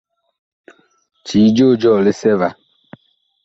Cii joo jɔɔ lisɛ va.